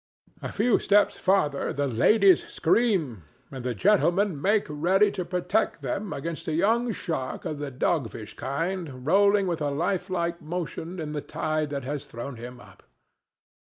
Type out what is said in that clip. A few steps farther the ladies scream, and the gentlemen make ready to protect them against a young shark of the dogfish kind rolling with a lifelike motion in the tide that has thrown him up.